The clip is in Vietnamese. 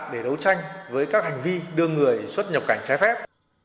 để đấu tranh với các hành vi đưa người xuất nhập cảnh trái phép